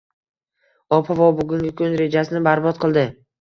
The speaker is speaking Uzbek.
Ob-havo bugungi kun rejasini barbod qildi.